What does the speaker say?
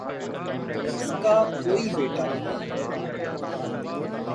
اس کا کوئی بیٹا نہیں